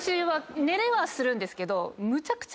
寝れはするんですけど。